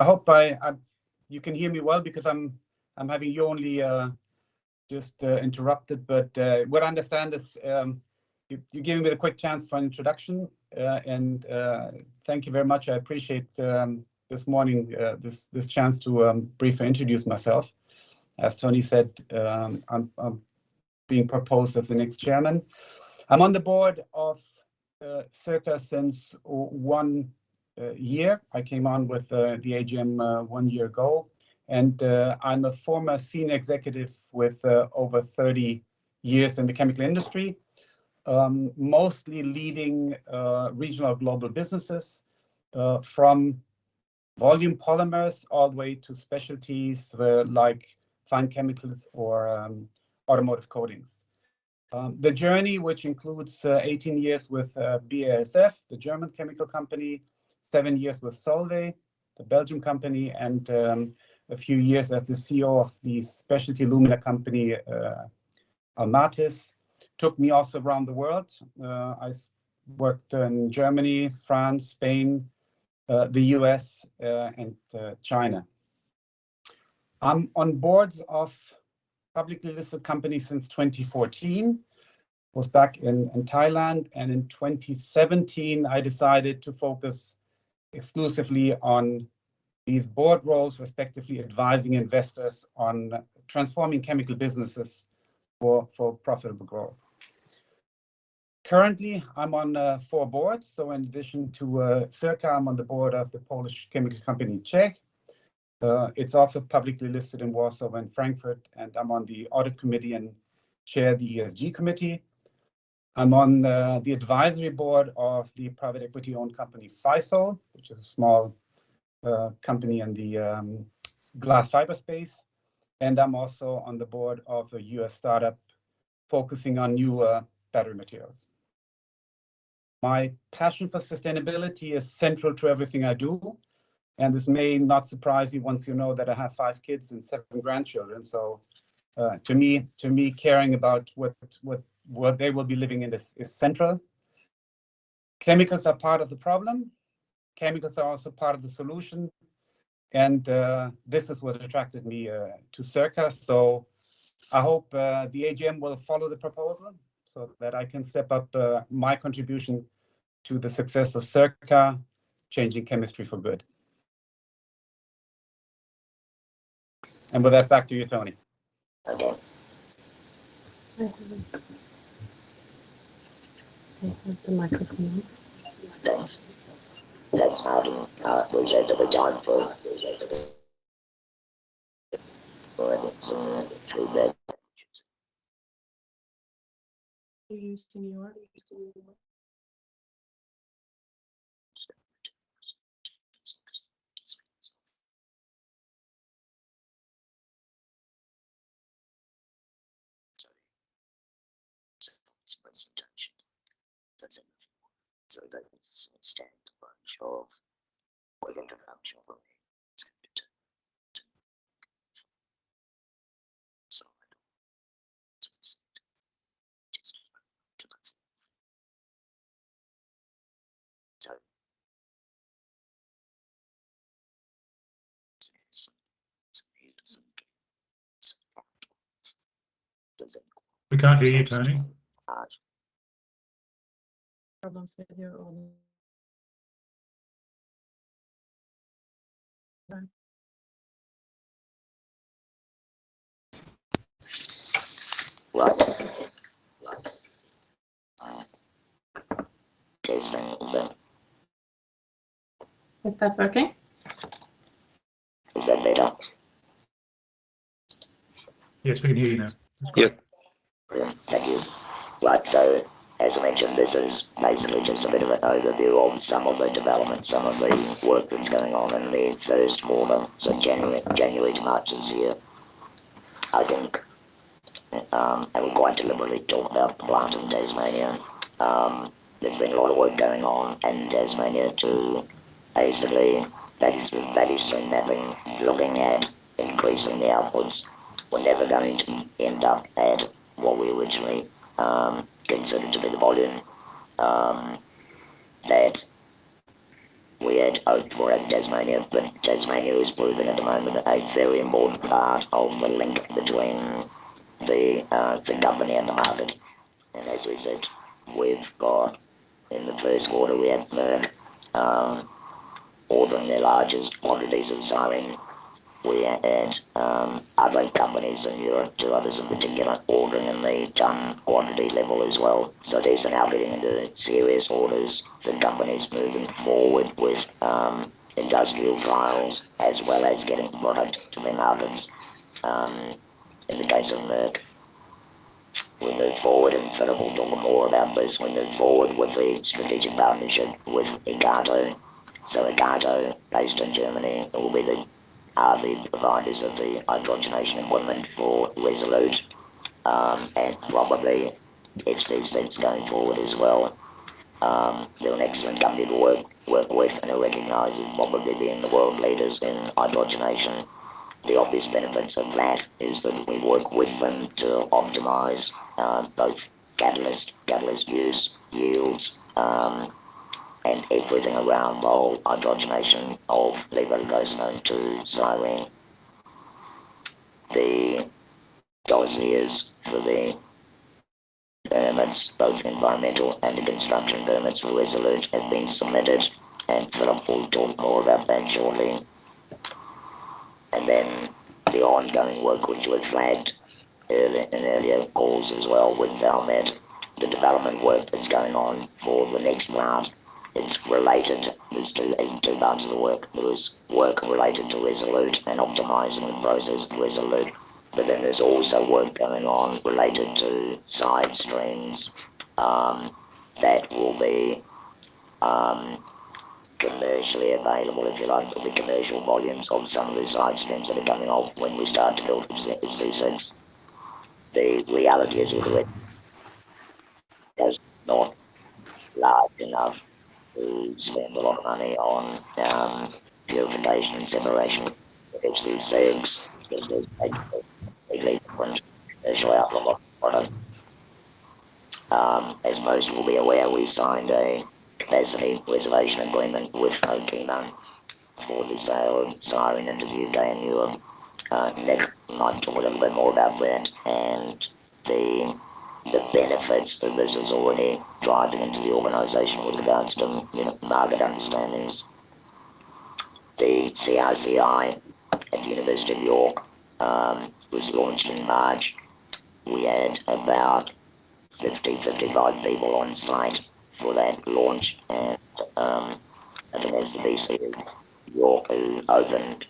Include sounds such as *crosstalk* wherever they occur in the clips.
I hope I you can hear me well because I'm having you only just interrupted. What I understand is you're giving me a quick chance for an introduction. Thank you very much. I appreciate this morning, this chance to briefly introduce myself. As Tony said, I'm being proposed as the next chairman. I'm on the board of Circa since one year. I came on with the AGM one year ago, I'm a former senior executive with over 30 years in the chemical industry. Mostly leading regional and global businesses from volume polymers all the way to specialties where like fine chemicals or automotive coatings. The journey, which includes, 18 years with BASF, the German chemical company, seven years with Solvay, the Belgium company, and a few years as the CEO of the specialty lumina company, Almatis, took me also around the world. I worked in Germany, France, Spain, the U.S., and China. I'm on boards of publicly listed companies since 2014. Was back in Thailand, and in 2017, I decided to focus exclusively on these board roles, respectively advising investors on transforming chemical businesses for profitable growth. Currently, I'm on four boards, so in addition to Circa, I'm on the board of the Polish chemical company, CIECH. It's also publicly listed in Warsaw and Frankfurt, and I'm on the audit committee and chair the ESG committee. I'm on the advisory board of the private equity-owned company, Fysol, which is a small company in the glass fiber space. I'm also on the board of a U.S. startup focusing on new battery materials. My passion for sustainability is central to everything I do, and this may not surprise you once you know that I have five kids and seven grandchildren. To me, caring about what they will be living in this is central. Chemicals are part of the problem, chemicals are also part of the solution, and this is what attracted me to Circa. I hope the AGM will follow the proposal so that I can step up my contribution to the success of Circa, changing chemistry for good. With that, back to you, Tony. *crosstalk* Yes. Thank you. Right. As I mentioned, this is basically just a bit of an overview on some of the developments, some of the work that's going on in the first quarter, so January to March this year. I think, and we quite deliberately talk about the plant in Tasmania. There's been a lot of work going on in Tasmania to basically value stream mapping, looking at increasing the outputs. We're never going to end up at what we originally considered to be the volume that we had hoped for out of Tasmania. Tasmania is proving at the moment a very important part of the link between the company and the market. As we said, we've got... In the first quarter, we had Merck ordering their largest quantities of cylene. We had other companies in Europe, two others in particular, ordering in the ton quantity level as well. These are now getting into serious orders for companies moving forward with industrial trials as well as getting product to the markets in the case of Merck. We moved forward, and Philip will talk more about this. We moved forward with the strategic partnership with EKATO. EKATO, based in Germany, will be the providers of the hydrogenation equipment for ReSolute and probably FC6 going forward as well. They're an excellent company to work with and are recognized as probably being the world leaders in hydrogenation. The obvious benefits of that is that we work with them to optimize both catalyst use, yields, and everything around whole hydrogenation of levulinic acid to cylene. The dossiers for the permits, both environmental and the construction permits for ReSolute have been submitted. Philip will talk more about that shortly. The ongoing work which we've flagged in earlier calls as well with Valmet, the development work that's going on for the next plant. It's related. There's two parts of the work. There was work related to ReSolute and optimizing the process at ReSolute. There's also work going on related to side streams that will be commercially available, if you like, or the commercial volumes of some of the side streams that are coming off when we start to build FC6. The reality is that it is not large enough to spend a lot of money on purification and separation of FC6. It is a completely different commercial outcome or product. As most will be aware, we signed a capacity reservation agreement with OQEMA for the sale of cylene into the EU. Nick might talk a little bit more about that and the benefits that this is already driving into the organization with regards to market understandings. The CRCI at the University of York was launched in March. We had about 50-55 people on site for that launch, and I think it was the VC of York who opened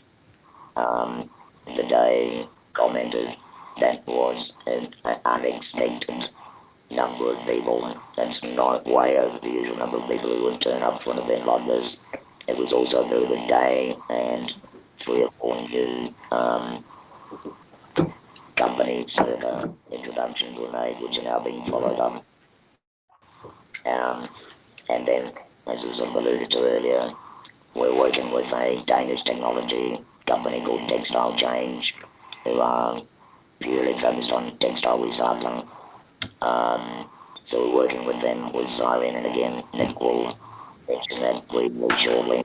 the day, commented that was an unexpected number of people. That's not way over the usual number of people who would turn up to an event like this. It was also a very good day, and three or four new companies that introductions were made, which are now being followed up. As was alluded to earlier, we're working with a Danish technology company called Textile Change, who are purely focused on textile recycling. We're working with them with cylene. Again, Nick will mention that briefly shortly.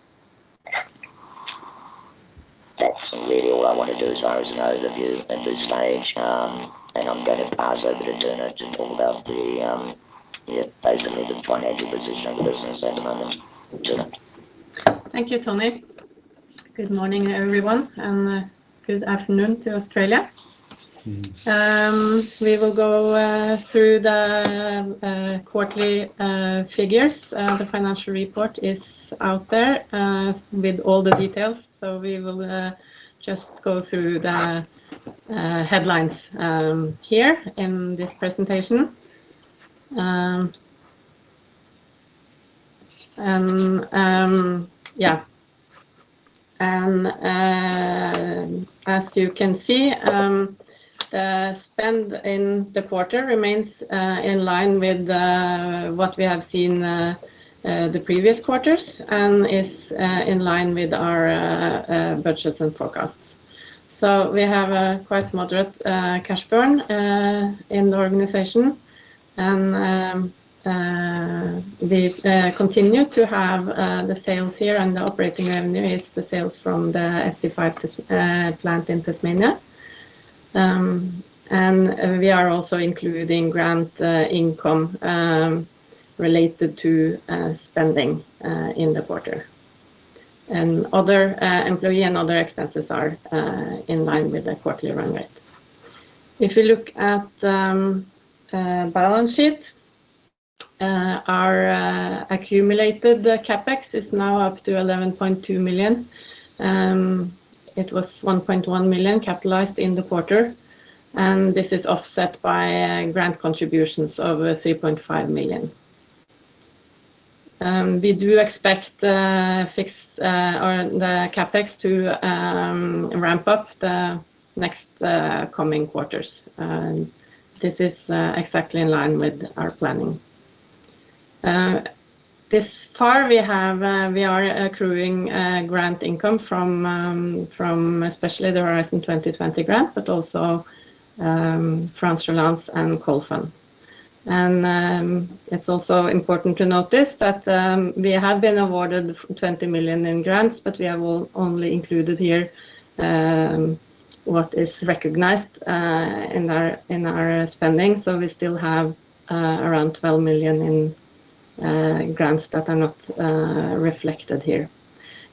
That's really all I want to do as far as an overview at this stage. I'm gonna pass over to Tone to talk about the, yeah, basically the financial position of the business at the moment. Tone? Thank you, Tony. Good morning, everyone, and good afternoon to Australia. Mm-hmm. We will go through the quarterly figures. The financial report is out there with all the details. We will just go through the headlines here in this presentation. Yeah. As you can see, the spend in the quarter remains in line with what we have seen the previous quarters and is in line with our budgets and forecasts. We have a quite moderate cash burn in the organization. We continue to have the sales here and the operating revenue is the sales from the FC5 plant in Tasmania. We are also including grant income related to spending in the quarter. Other employee and other expenses are in line with the quarterly run rate. If you look at the balance sheet, our accumulated CapEx is now up to 11.2 million. It was 1.1 million capitalized in the quarter, and this is offset by grant contributions of 3.5 million. We do expect the CapEx to ramp up the next coming quarters. This is exactly in line with our planning. This far we have, we are accruing grant income from especially the Horizon 2020 grant, but also France Relance and CoFun. It's also important to notice that we have been awarded 20 million in grants, but we have only included here what is recognized in our spending. We still have around 12 million in grants that are not reflected here.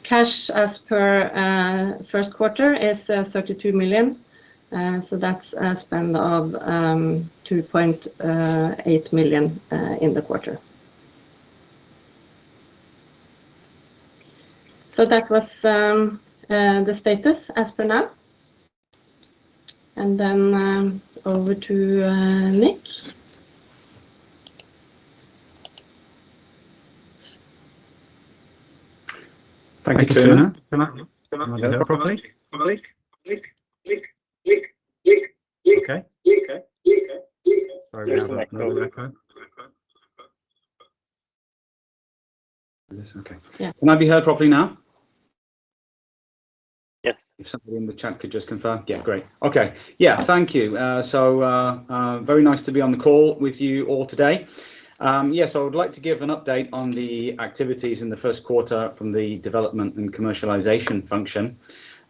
Cash as per first quarter is 32 million. That's a spend of 2.8 million in the quarter. That was the status as per now. Then over to Nick. Thank you, Tone. Am I there properly? Okay. Sorry, we have an echo. Okay. Yeah. Can I be heard properly now? Yes. If someone in the chat could just confirm? Yeah. Yeah, great. Okay. Yeah. Thank you. Very nice to be on the call with you all today. Yes, I would like to give an update on the activities in the first quarter from the development and commercialization function.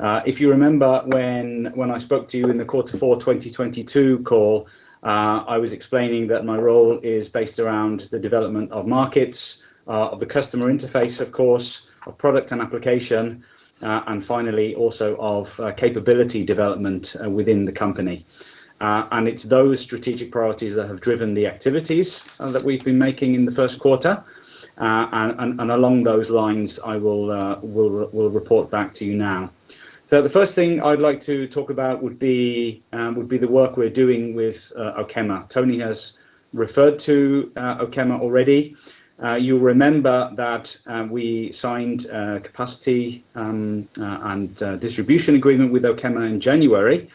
If you remember when I spoke to you in the Quarter Four 2022 call, I was explaining that my role is based around the development of markets, of the customer interface of course, of product and application, and finally also of capability development within the company. It's those strategic priorities that have driven the activities that we've been making in the first quarter. Along those lines I will report back to you now. The first thing I'd like to talk about would be the work we're doing with OQEMA. Tony has referred to OQEMA already. You'll remember that we signed a capacity and distribution agreement with OQEMA in January.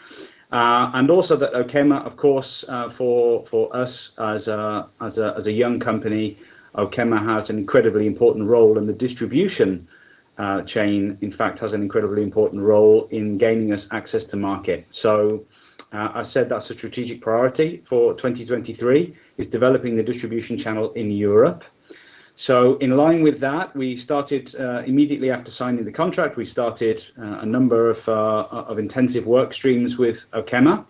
Also that OQEMA of course, for us as a young company, OQEMA has an incredibly important role and the distribution chain in fact has an incredibly important role in gaining us access to market. I've said that's a strategic priority for 2023, is developing the distribution channel in Europe. In line with that, we started immediately after signing the contract, we started a number of intensive work streams with OQEMA.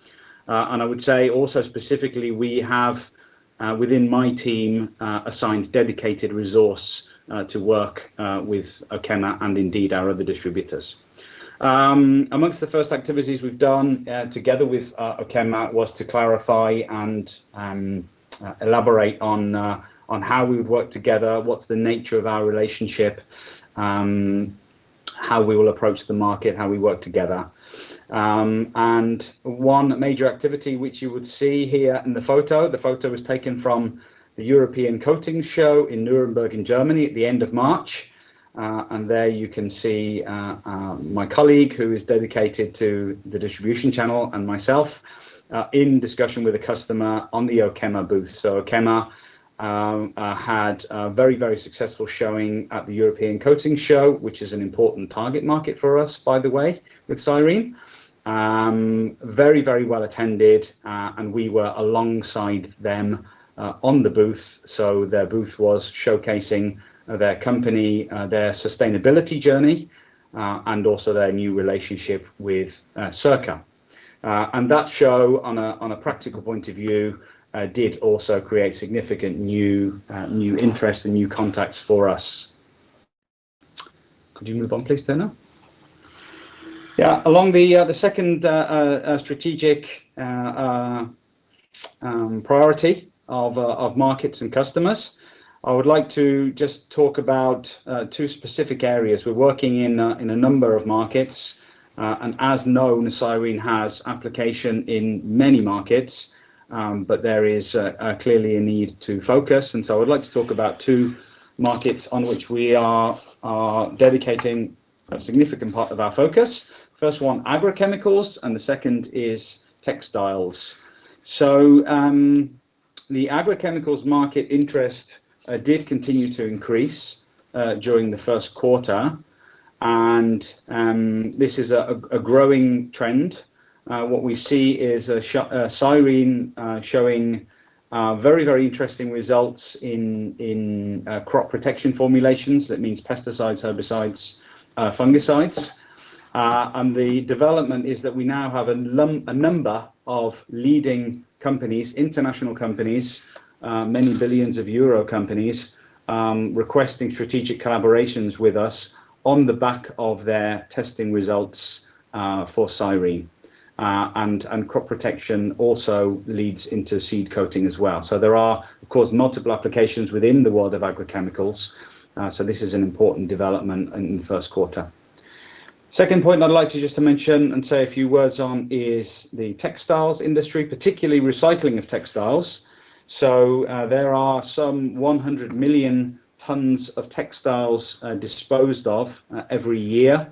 I would say also specifically we have within my team assigned dedicated resource to work with OQEMA and indeed our other distributors. Amongst the first activities we've done together with OQEMA was to clarify and elaborate on how we would work together, what's the nature of our relationship, how we will approach the market, how we work together. One major activity which you would see here in the photo, the photo was taken from the European Coatings Show in Nuremberg in Germany at the end of March. There you can see my colleague who is dedicated to the distribution channel, and myself in discussion with a customer on the OQEMA booth. OQEMA had a very, very successful showing at the European Coatings Show, which is an important target market for us by the way, with Cyrene. Very, very well attended, and we were alongside them on the booth. Their booth was showcasing their company, their sustainability journey, and also their new relationship with Circa. That show on a practical point of view, did also create significant new interest and new contacts for us. Could you move on please, Dana? Yeah. Along the second strategic priority of markets and customers, I would like to just talk about two specific areas. We're working in a number of markets, as known, Cyrene has application in many markets. There is a clearly a need to focus. I would like to talk about two markets on which we are dedicating a significant part of our focus. First one, agrochemicals, and the second is textiles. The agrochemicals market interest did continue to increase during the first quarter and this is a growing trend. What we see is Cyrene showing very interesting results in crop protection formulations. That means pesticides, herbicides, fungicides. The development is that we now have a number of leading companies, international companies, many billions of EUR companies, requesting strategic collaborations with us on the back of their testing results for Cyrene. Crop protection also leads into seed coating as well. There are of course multiple applications within the world of agrochemicals, this is an important development in the first quarter. Second point I'd like to just to mention and say a few words on is the textiles industry, particularly recycling of textiles. There are some 100 million tons of textiles disposed of every year.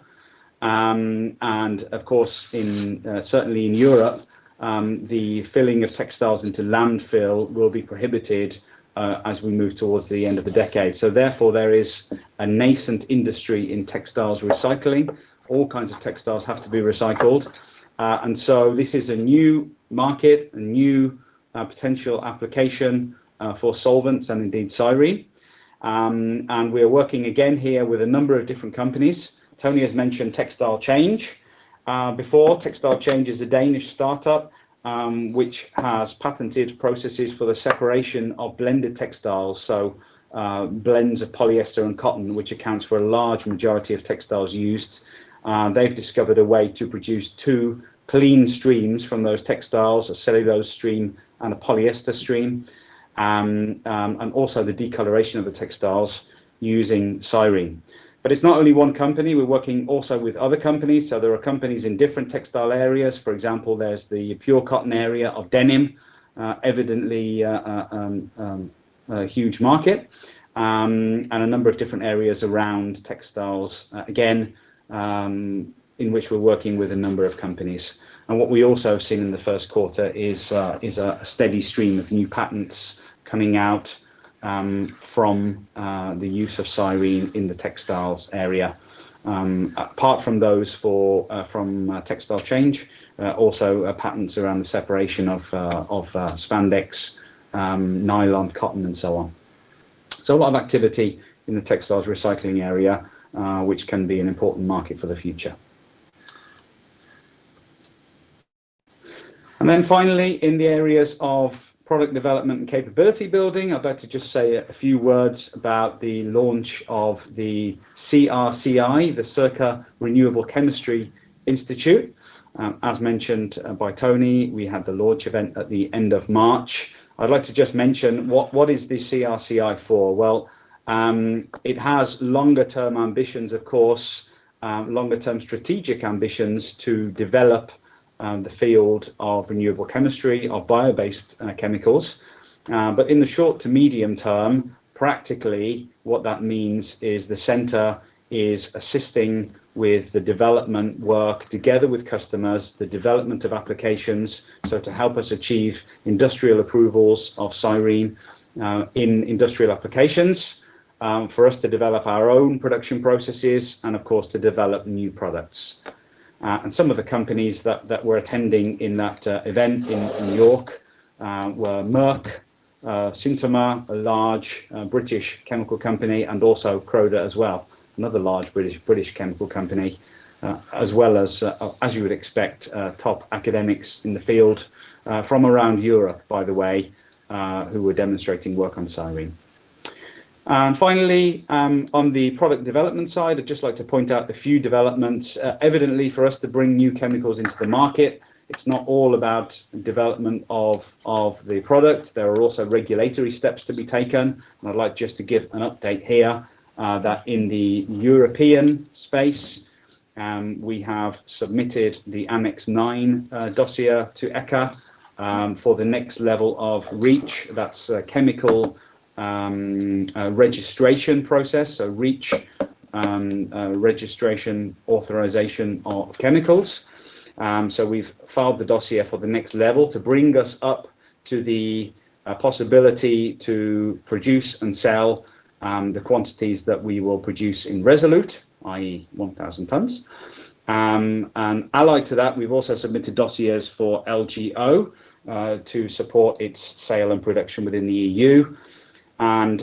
Of course in, certainly in Europe, the filling of textiles into landfill will be prohibited as we move towards the end of the decade. Therefore there is a nascent industry in textiles recycling. All kinds of textiles have to be recycled. This is a new market, a new potential application for solvents and indeed Cyrene. We're working again here with a number of different companies. Tony has mentioned Textile Change before. Textile Change is a Danish startup, which has patented processes for the separation of blended textiles. Blends of polyester and cotton, which accounts for a large majority of textiles used. They've discovered a way to produce two clean streams from those textiles, a cellulose stream and a polyester stream, and also the discoloration of the textiles using Cyrene. It's not only one company, we're working also with other companies. There are companies in different textile areas. For example, there's the pure cotton area of denim. Evidently, a huge market. And a number of different areas around textiles, again, in which we're working with a number of companies. What we also have seen in the first quarter is a steady stream of new patents coming out. From the use of cyrene in the textiles area. Apart from those for Textile Change, also patents around the separation of spandex, nylon, cotton, and so on. So a lot of activity in the textiles recycling area, which can be an important market for the future. Finally, in the areas of product development and capability building, I'd like to just say a few words about the launch of the CRCI, the Circa Renewable Chemistry Institute. As mentioned by Tony, we had the launch event at the end of March. I'd like to just mention what is the CRCI for? It has longer-term ambitions, of course, longer-term strategic ambitions to develop the field of renewable chemistry or bio-based chemicals. In the short to medium term, practically what that means is the center is assisting with the development work together with customers, the development of applications, so to help us achieve industrial approvals of cyrene in industrial applications, for us to develop our own production processes and of course, to develop new products. Some of the companies that were attending in that event in York were Merck, Sintoma, a large British chemical company, and also Croda as well, another large British chemical company, as well as you would expect, top academics in the field from around Europe, by the way, who were demonstrating work on cyrene. Finally, on the product development side, I'd just like to point out a few developments. Evidently for us to bring new chemicals into the market, it's not all about development of the product. There are also regulatory steps to be taken. I'd like just to give an update here that in the European space, we have submitted the Annex IX dossier to ECHA for the next level of REACH. That's a chemical registration process, so REACH registration authorization of chemicals. We've filed the dossier for the next level to bring us up to the possibility to produce and sell the quantities that we will produce in ReSolute, i.e., 1,000 tons. Allied to that, we've also submitted dossiers for Levoglucosenone to support its sale and production within the EU.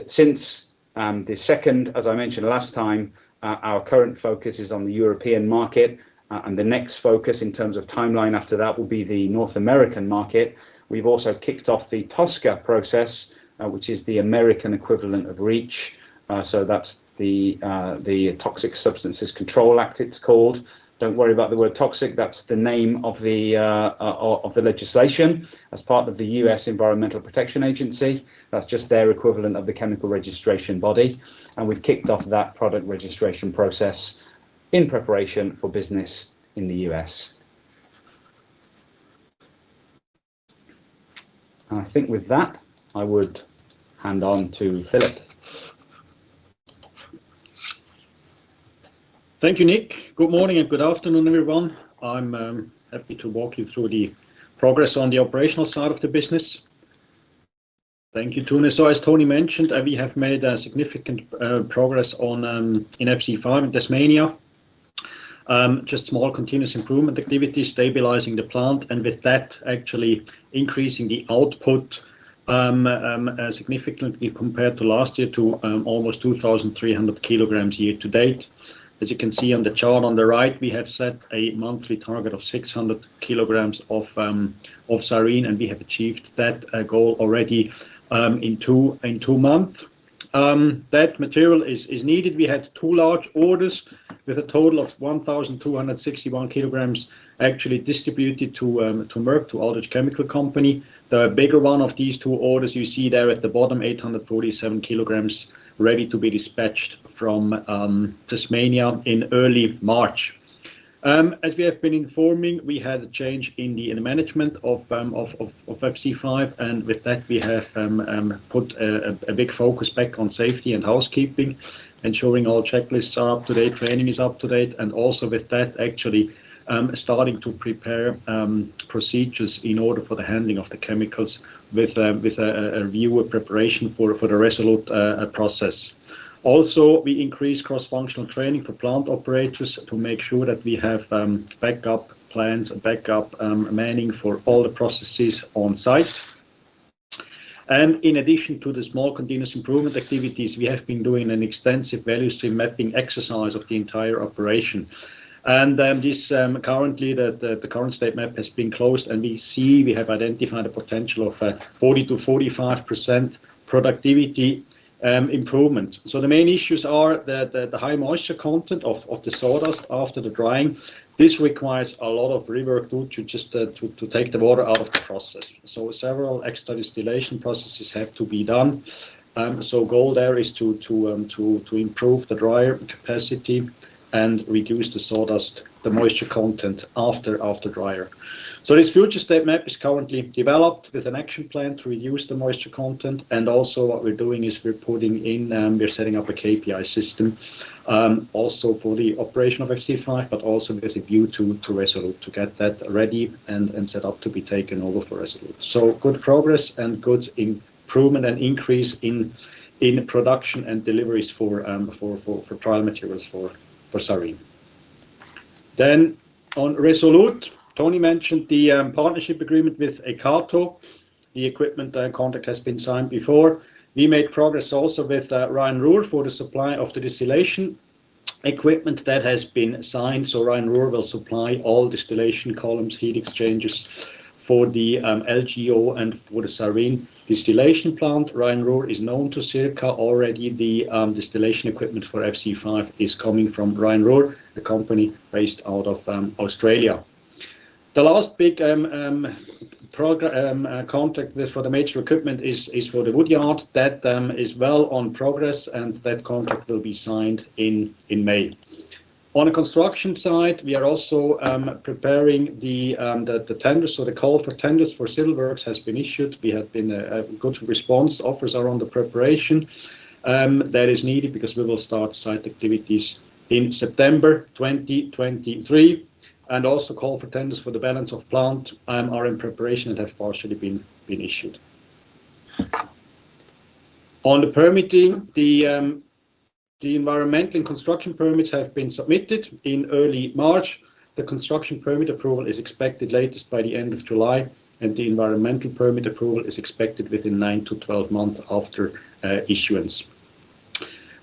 Since the second, as I mentioned last time, our current focus is on the European market. The next focus in terms of timeline after that will be the North American market. We've also kicked off the TSCA process, which is the American equivalent of REACH. So that's the Toxic Substances Control Act it's called. Don't worry about the word toxic. That's the name of the legislation as part of the U.S. Environmental Protection Agency. That's just their equivalent of the chemical registration body. We've kicked off that product registration process in preparation for business in the U.S. I think with that, I would hand on to Philipp. Thank you, Nick. Good morning and good afternoon, everyone. I'm happy to walk you through the progress on the operational side of the business. Thank you, Tony. As Tony mentioned, we have made significant progress on in FC5 in Tasmania. Just small continuous improvement activity, stabilizing the plant, and with that, actually increasing the output significantly compared to last year to almost 2,300 kg year to date. As you can see on the chart on the right, we have set a monthly target of 600 kg of cyrene, and we have achieved that goal already in two months. That material is needed. We had two large orders with a total of 1,261 kg actually distributed to Merck, to Aldrich Chemical Company. The bigger one of these two orders you see there at the bottom, 847 kg ready to be dispatched from Tasmania in early March. As we have been informing, we had a change in the management of FC5, with that we have put a big focus back on safety and housekeeping, ensuring all checklists are up to date, training is up to date, and also with that, actually, starting to prepare procedures in order for the handling of the chemicals with a review of preparation for the ReSolute process. We increased cross-functional training for plant operators to make sure that we have backup plans and backup manning for all the processes on site. In addition to the small continuous improvement activities, we have been doing an extensive value-stream mapping exercise of the entire operation. This currently the current state map has been closed, and we see we have identified a potential of 40%-45% productivity improvement. The main issues are the high moisture content of the sawdust after the drying. This requires a lot of rework to just take the water out of the process. Several extra distillation processes have to be done. Goal there is to improve the dryer capacity and reduce the sawdust, the moisture content after dryer. This future state map is currently developed with an action plan to reduce the moisture content. Also what we're doing is we're putting in, we're setting up a KPI system, also for the operation of FC5, but also as a view to ReSolute to get that ready and set up to be taken over for ReSolute. Good progress and good improvement and increase in production and deliveries for trial materials for cyrene. On ReSolute, Tony mentioned the partnership agreement with EKATO. The equipment and contract has been signed before. We made progress also with Rhine-Ruhr for the supply of the distillation equipment that has been signed. Rhine-Ruhr will supply all distillation columns, heat exchanges for the LGO and for the Cyrene distillation plant. Rhine-Ruhr is known to Circa already. The distillation equipment for FC5 is coming from Rhine-Ruhr, a company based out of Australia. The last big contract for the major equipment is for the wood yard. That is well on progress, and that contract will be signed in May. On the construction site, we are also preparing the tender. The call for tenders for civil works has been issued. We have been a good response. Offers are on the preparation that is needed because we will start site activities in September 2023. Also call for tenders for the balance of plant are in preparation and have partially been issued. On the permitting, the environmental and construction permits have been submitted in early March. The construction permit approval is expected latest by the end of July, and the environmental permit approval is expected within nine to 12 months after issuance.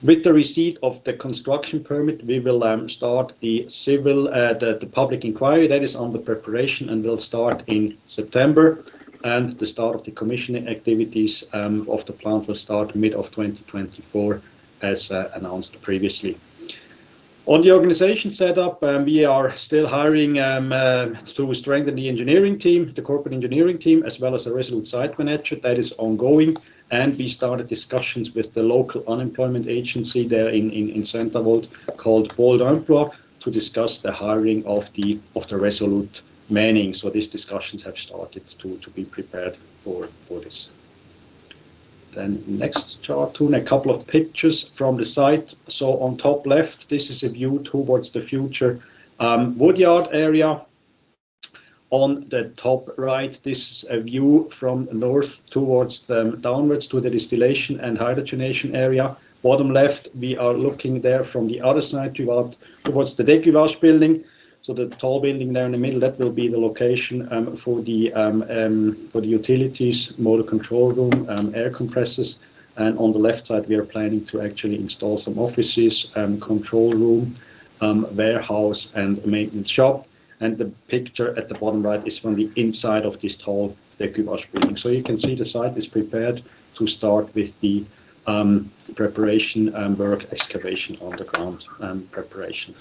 With the receipt of the construction permit, we will start the civil, the public inquiry that is on the preparation and will start in September. The start of the commissioning activities of the plant will start mid of 2024, as announced previously. On the organization set up, we are still hiring to strengthen the engineering team, the corporate engineering team, as well as the ReSolute site manager. That is ongoing. We started discussions with the local unemployment agency there in Saint-Avold called France Travail to discuss the hiring of the ReSolute manning. These discussions have started to be prepared for this. Next chart, Tone, a couple of pictures from the site. On top left, this is a view towards the future woodyard area. On the top right, this is a view from north downwards to the distillation and hydrogenation area. Bottom left, we are looking there from the other side towards the building. The tall building there in the middle, that will be the location for the utilities motor control room, air compressors. On the left side, we are planning to actually install some offices, control room, warehouse, and maintenance shop. The picture at the bottom right is from the inside of this tall building. You can see the site is prepared to start with the preparation and work excavation on the ground and preparation.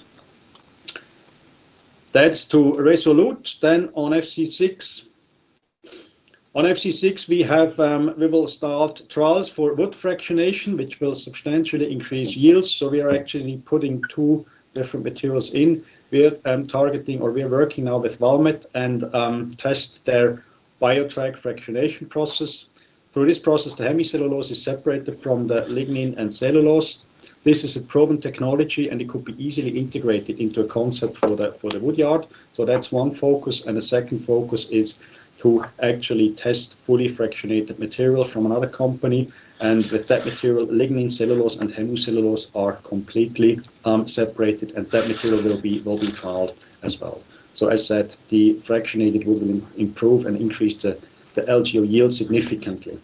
That's to ReSolute. On FC6. On FC6, we have we will start trials for wood fractionation, which will substantially increase yields. We are actually putting two different materials in. We are targeting or we are working now with Valmet and test their BioTrak fractionation process. Through this process, the hemicellulose is separated from the lignin and cellulose. This is a proven technology, and it could be easily integrated into a concept for the wood yard. That's one focus, and the second focus is to actually test fully fractionated material from another company. With that material, lignin, cellulose and hemicellulose are completely separated and that material will be trialed as well. As said, the fractionated wood will improve and increase the LGO yield significantly.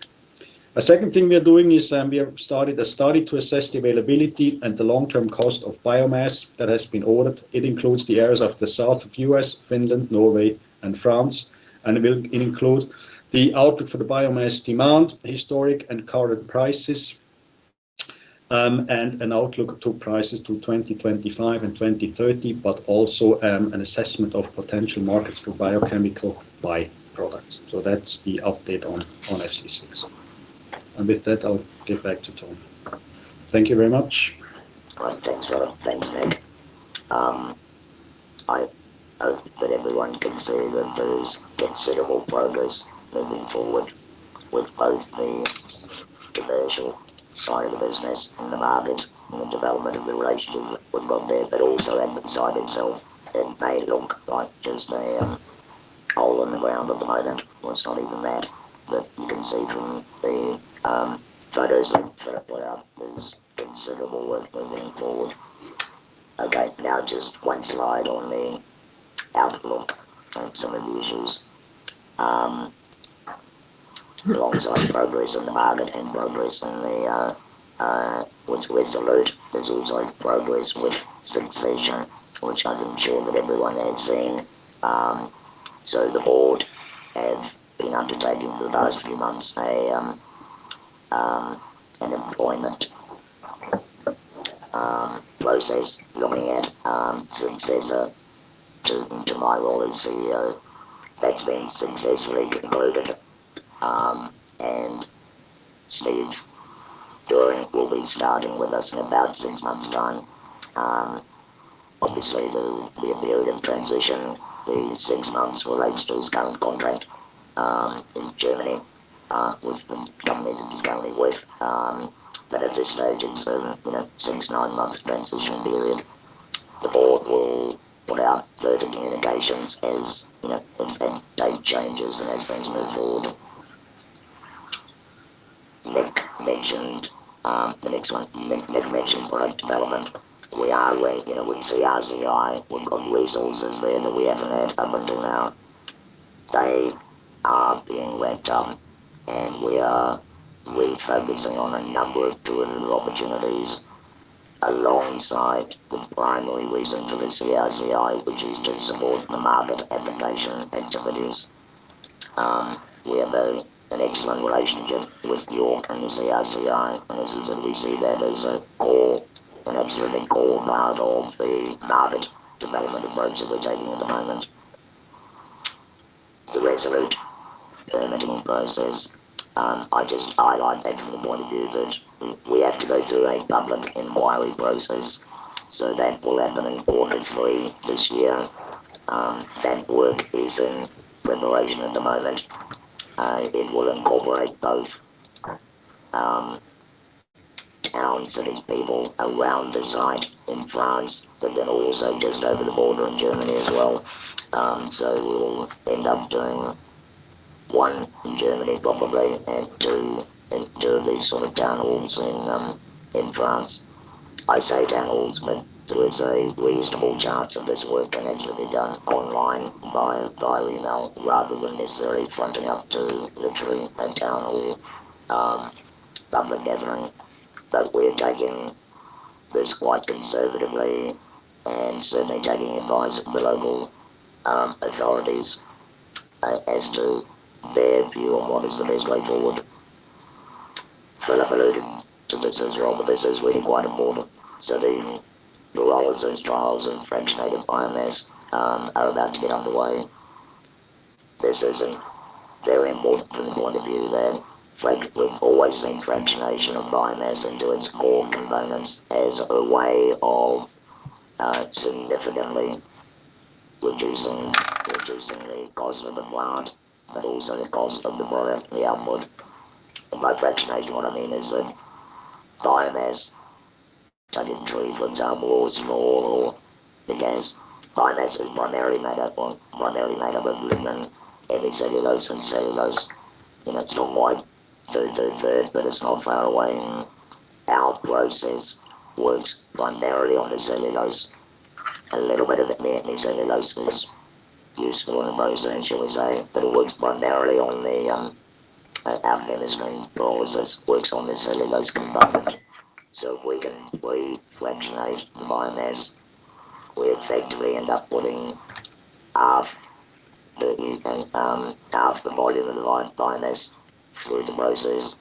A second thing we are doing is, we have started a study to assess the availability and the long-term cost of biomass that has been ordered. It includes the areas of the south of U.S., Finland, Norway and France. It will include the output for the biomass demand, historic and current prices, and an outlook to prices to 2025 and 2030, but also, an assessment of potential markets for biochemical by-products. That's the update on FC6. With that, I'll give back to Tony. Thank you very much. Thanks, Philip. Thanks, Nick. I hope that everyone can see that there is considerable progress moving forward with both the commercial side of the business and the market and the development of the relationship we've got there, but also at the site itself. It may look like just a hole in the ground at the moment. Well, it's not even that. You can see from the photos that are put up, there's considerable work moving forward. Okay. Now just one slide on the outlook on some of the issues. Alongside progress in the market and progress on the what's ReSolute, there's also progress with succession, which I'm sure that everyone has seen. So the board have been undertaking for the past few months an employment process looking at successor to my role as CEO. That's been successfully concluded. Steve Daren will be starting with us in about 6 months' time. Obviously, the period of transition, the 6 months relates to his current contract in Germany with the government that he's currently with. At this stage, it's a, you know, six, nine month transition period. The board will put out further communications as, you know, as date changes and as things move forward. Mentioned the next one. Nick mentioned product development. We are working with CRCI. We've got resources there that we haven't had up until now. They are being ramped up, and we are refocusing on a number of tool opportunities alongside the primary reason for the CRCI, which is to support the market application activities. We have an excellent relationship with York and the CRCI, and as we said, we see that as a core, an absolutely core part of the market development approach that we're taking at the moment. The ReSolute permitting process, I just highlight that from the point of view that we have to go through a public inquiry process, so that will happen in hopefully this year. That work is in preparation at the moment. It will incorporate both towns and people around the site in France, but then also just over the border in Germany as well. We'll end up doing 1 in Germany, probably, and two of these sort of town halls in France. I say town halls, but there is a reasonable chance that this work can actually be done online via email rather than necessarily fronting up to literally a town hall, public gathering. We're taking this quite conservatively and certainly taking advice from the local authorities as to their view on what is the best way forward. Philip alluded to this as well, but this is really quite important. The, the role of those trials in fractionated biomass are about to get underway. This is very important from the point of view that we've always seen fractionation of biomass into its core components as a way of significantly reducing the cost of the plant, but also the cost of the output. By fractionation, what I mean is that biomass, take in trees, for example, or small or big biomass. Biomass is primarily made up of lignin, hemicellulose, and cellulose. You know, it's not quite third, third, but it's not far away. Our process works primarily on the cellulose. A little bit of the hemicellulose is useful in the process, shall we say, but it works primarily on the Furacell process works on the cellulose component. If we can, we fractionate the biomass, we effectively end up putting half the half the volume of the live biomass through the process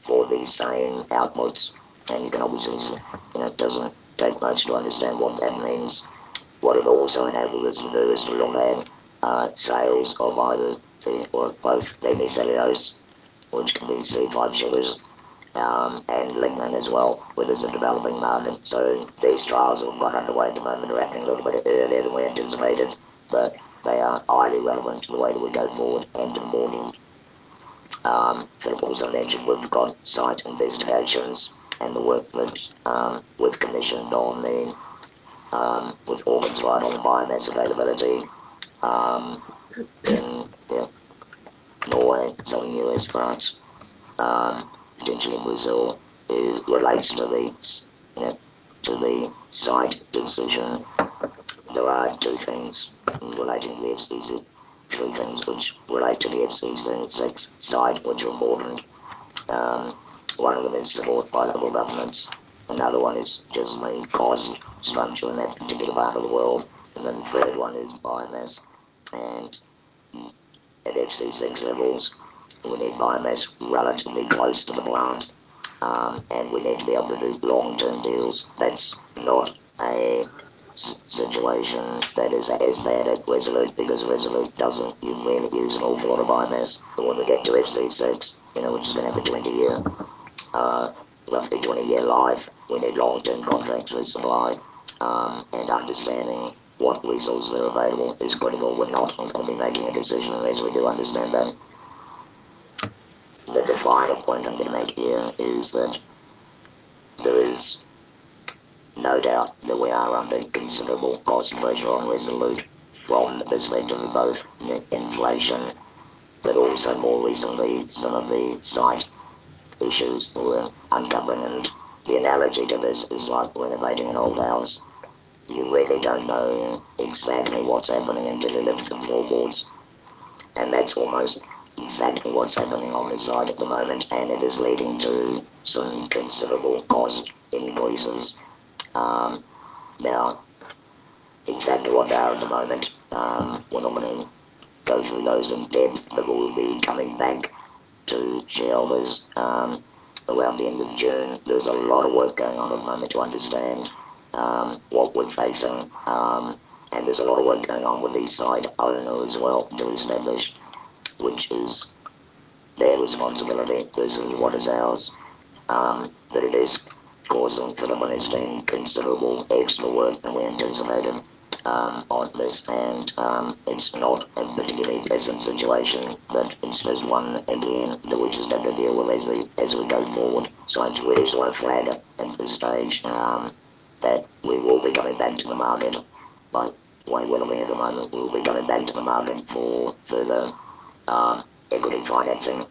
for the same outputs. You can obviously see, you know, it doesn't take much to understand what that means. What it also enables us to do is to command sales of either the or both hemicellulose, which can be C5 sugars, and lignin as well, where there's a developing market. These trials are quite underway at the moment. They're actually a little bit earlier than we anticipated, but they are highly relevant to the way that we go forward and to the modeling. Philip also mentioned we've got site investigations and the work that we've commissioned on the with Argus biomass availability in, yeah, Norway, Southern U.S., France, potentially Brazil. It relates to the you know, to the site decision. There are two things relating to the FC6. Three things which relate to the FC6 site, which are important. One of them is support by local governments. Another one is just the cost structure in that particular part of the world. The third one is biomass. At FC6 levels, we need biomass relatively close to the plant, and we need to be able to do long-term deals. That's not a situation that is as bad as ReSolute because ReSolute doesn't really use an awful lot of biomass. When we get to FC6, you know, which is gonna have a 20-year, roughly 20-year life, we need long-term contracts for supply. Understanding what resources are available is critical. We're not going to be making a decision unless we do understand that. The final point I'm gonna make here is that there is no doubt that we are under considerable cost pressure on ReSolute from the perspective of both inflation, but also more recently, some of the site issues that were uncovered. The analogy to this is like renovating an old house. You really don't know exactly what's happening until you lift the floorboards. That's almost exactly what's happening on the site at the moment, and it is leading to some considerable cost increases. Now exactly what they are at the moment, we're not gonna go through those in depth, but we'll be coming back to shareholders around the end of June. There's a lot of work going on at the moment to understand what we're facing. There's a lot of work going on with the site owner as well to establish which is their responsibility versus what is ours. It is causing, Philipp, I understand, considerable extra work than we anticipated on this. It's not a particularly pleasant situation, but it is one, again, that we're just gonna have to deal with as we, as we go forward. I just wanna flag at this stage that we will be coming back to the market. One way at the moment, we'll be going back to the market for further equity financing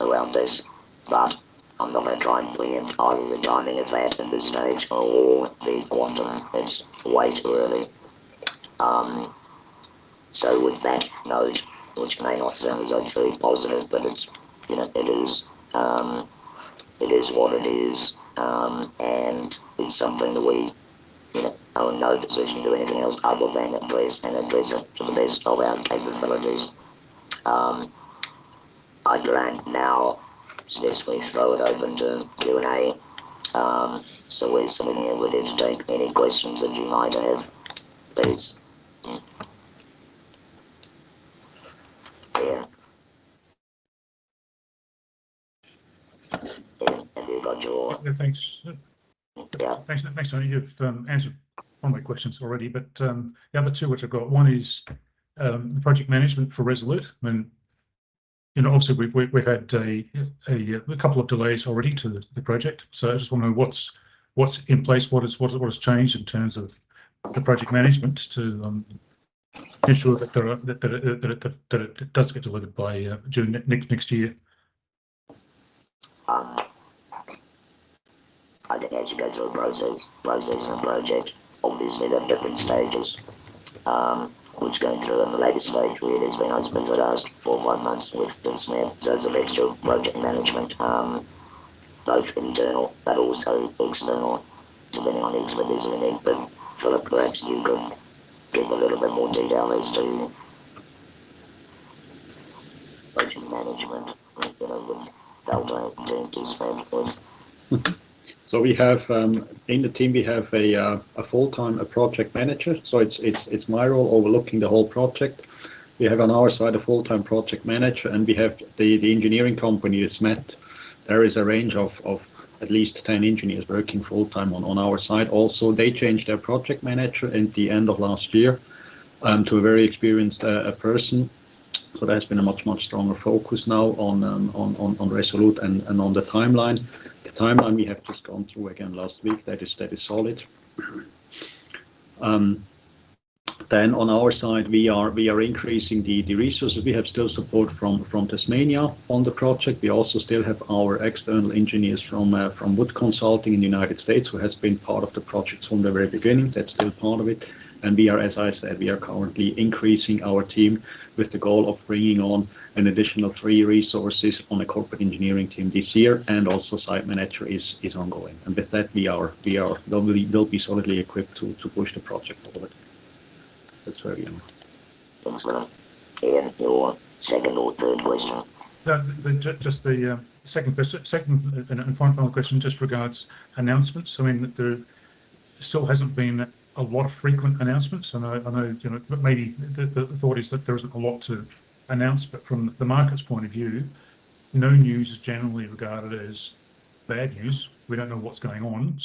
around this. I'm not gonna try and pre-empt either the timing of that at this stage or the quantum. It's way too early. With that note, which may not sound as actually positive, but it's, you know, it is, it is what it is. It's something that we, you know, are in no position to do anything else other than address and address it to the best of our capabilities. I'd like now, suggest we throw it open to Q&A. We're sitting here. We're here to take any questions that you might have, please. Yeah, thanks. Thanks. Thanks Tony. You've answered one of my questions already. The other two which I've got, one is project management for ReSolute. You know, obviously we've had a couple of delays already to the project. I just wanna know what's in place, what is, what has changed in terms of the project management to ensure that there are, that the that it does get delivered by during next year? I think as you go through a process and a project, obviously there are different stages, which going through on the later stage where there's been, I'd spend the last four or five months with Nick Smith. It's an extra project management, both internal but also external, depending on the expertise we need. Philipp, perhaps you could give a little bit more detail as to project management, you know, with Delta in this space please. We have in the team, we have a full-time project manager. It's my role overlooking the whole project. We have on our side a full-time project manager, and we have the engineering company is met. There is a range of at least 10 engineers working full-time on our side. Also, they changed their project manager at the end of last year to a very experienced person. There's been a much, much stronger focus now on ReSolute and on the timeline. The timeline we have just gone through again last week, that is solid. On our side, we are increasing the resources. We have still support from Tasmania on the project. We also still have our external engineers from from Wood Consulting in the United States, who has been part of the projects from the very beginning. That's still part of it. We are, as I said, we are currently increasing our team with the goal of bringing on an additional three resources on the corporate engineering team this year. Also site manager is ongoing. With that, we are, they'll be solidly equipped to push the project forward. That's where we are. Thanks. Your second or third question. The just the second and final question just regards announcements. I mean, there still hasn't been a lot of frequent announcements. I know, you know, maybe the thought is that there isn't a lot to announce, but from the market's point of view, no news is generally regarded as bad news. We don't know what's going on.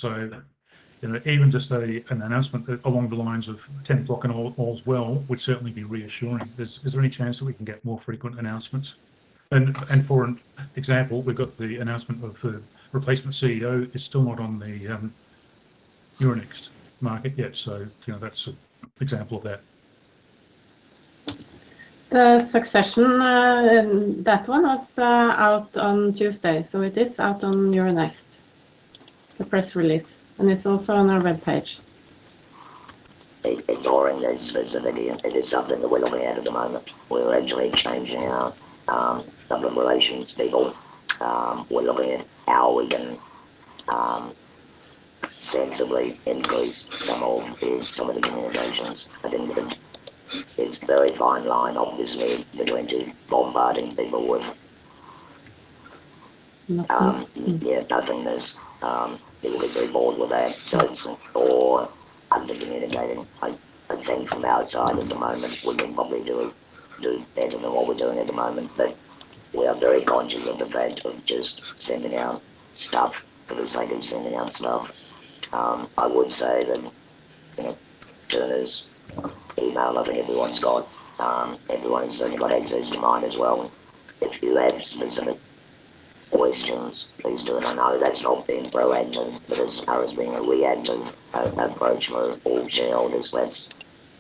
You know, even just an announcement along the lines of 10 o'clock and all's well, would certainly be reassuring. Is there any chance that we can get more frequent announcements? For an example, we've got the announcement of the replacement CEO is still not on the Euronext market yet. You know, that's an example of that. The succession, that one was out on Tuesday. It is out on Euronext, the press release, and it's also on our webpage. Ignoring the specificity, it is something that we're looking at the moment. We're actually changing our public relations people. We're looking at how we can sensibly increase some of the communications. I think it's a very fine line, obviously, between bombarding people. Not good. Yeah, nothing that's, people would be bored with that. It's, or under-communicating, I think from outside at the moment, we can probably do better than what we're doing at the moment. We are very conscious of the fact of just sending out stuff for the sake of sending out stuff. I would say that, you know, Tone's email, I think everyone's got, everyone's certainly got access to mine as well. If you have specific questions, please do. I know that's not being proactive, but as far as being a reactive approach for all shareholders, that's,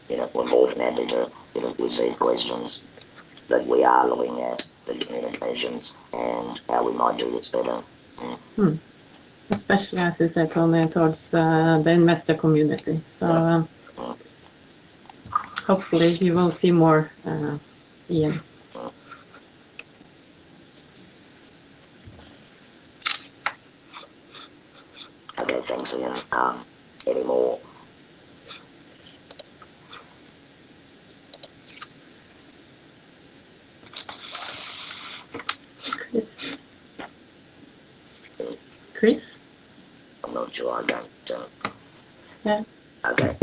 you know, we're more than happy to, you know, receive questions. We are looking at the communications and how we might do this better. Especially as you said, Tony, towards the investor community. Hopefully you will see more, yeah. Okay. Thanks again. Any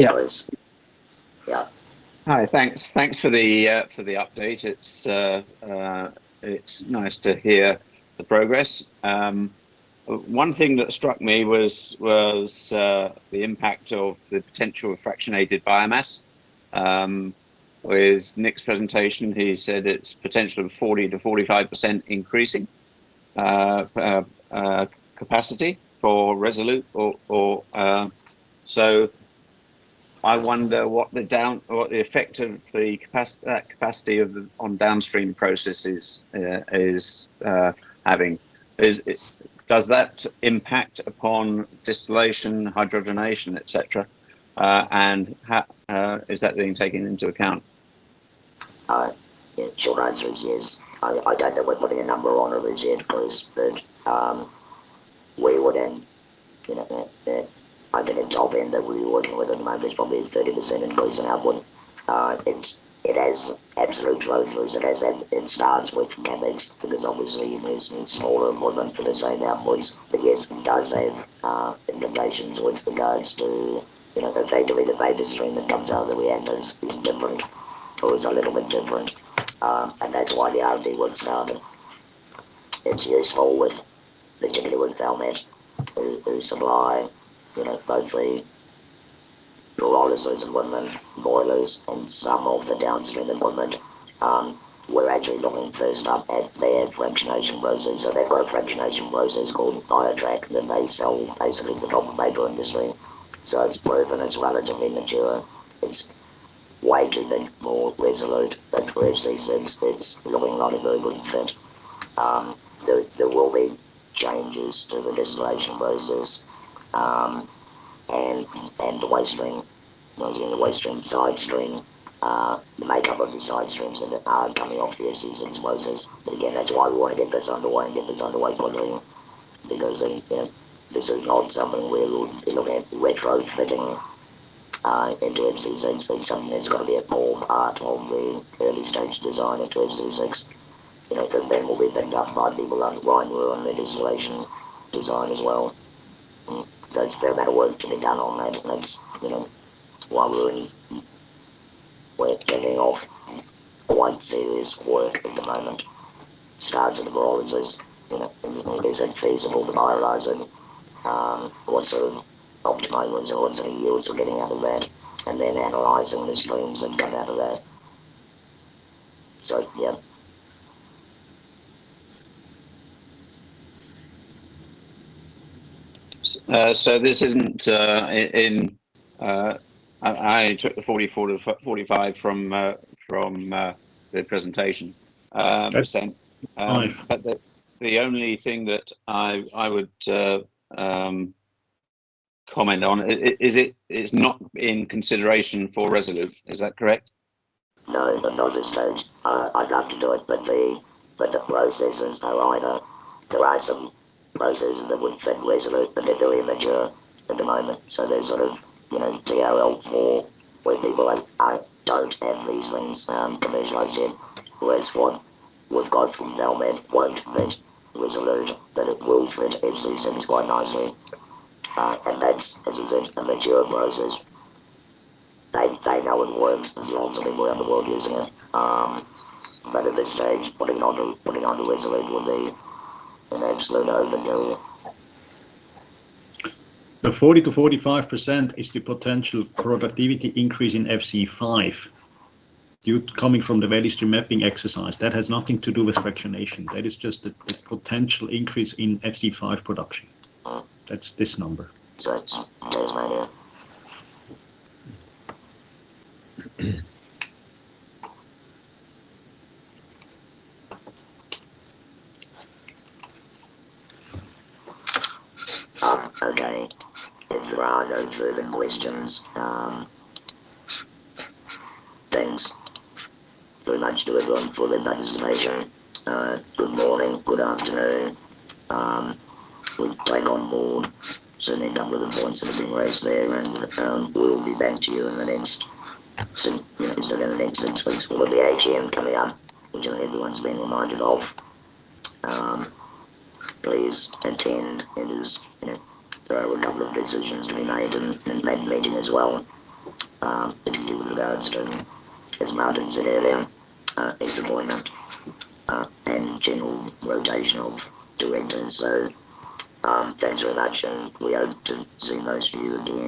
more? Chris. Chris? I'm not sure. I don't, No. Okay. Yeah. Yeah. Hi. Thanks. Thanks for the for the update. It's nice to hear the progress. One thing that struck me was the impact of the potential of fractionated biomass. With Nick's presentation, he said it's potential of 40%-45% increasing capacity for ReSolute or the effect of that capacity on downstream processes is having. Does that impact upon distillation, hydrogenation, et cetera, and how is that being taken into account? The short answer is yes. I don't know we're putting a number on it or a range, but we would then, you know, I think the top end that we're working with at the moment is probably a 30% increase in output. It has absolute flow throughs, it has in starts with catalyst beds, because obviously you're using smaller equipment for the same outputs. Yes, it does have implications with regards to, you know, the vapor stream that comes out of the reactors is different, or is a little bit different. That's why the R&D work's starting. It's useful with particularly with Valmet who supply, you know, both the boilers and some of the downstream equipment. We're actually looking first up at their fractionation process. They've got a fractionation process called BioTrak that they sell basically to the top paper industry. It's proven, it's relatively mature. It's way too big for ReSolute, but for FC6, it's looking like a very good fit. There will be changes to the distillation process, and the waste stream. When we do any waste stream, side stream, the makeup of the side streams that are coming off the FC6 process. Again, that's why we wanna get this underway and get this underway quickly, because, you know, this is not something we're looking at retrofitting into FC6. It's something that's gotta be a core part of the early stage design into FC6. You know, that then will be picked up by people like Ryan Rue on the distillation design as well. It's a fair amount of work to be done on that, and that's, you know, why we're kicking off quite serious work at the moment. Starts with the boilers is, you know, is it feasible to bioize and what sort of optimum and what sort of yields we're getting out of that? Analyzing the streams that come out of that. Yeah. This isn't in. I took the 44-45 from the presentation. Okay. Fine. The only thing that I would comment on, is it is not in consideration for ReSolute. Is that correct? No, not at this stage. I'd love to do it, but the processes are either... There are some processes that would fit ReSolute, but they're very immature at the moment. They're sort of, you know, TRL 4, where people like I don't have these things commercialized yet. What we've got from Valmet won't fit ReSolute, but it will fit FC6 quite nicely. That's, as I said, a mature process. They, they know it works. There's lots of people around the world using it. At this stage, putting it onto ReSolute would be an absolute overkill. The 40%-45% is the potential productivity increase in FC5, coming from the value-stream mapping exercise. That has nothing to do with fractionation. That is just a potential increase in FC5 production. Oh. That's this number. Yeah, that's right, yeah. Okay. If there are no further questions, thanks very much to everyone for their participation. Good morning, good afternoon. We'll take on board certainly a number of the points that have been raised there and, we'll be back to you in the next six, you know, say the next six weeks. We've got the AGM coming up, which I know everyone's been reminded of. Please attend. It is, you know, there are a couple of decisions to be made in that meeting as well, particularly with regards to, as Martin said earlier, his appointment, and general rotation of directors. Thanks very much, and we hope to see most of you again.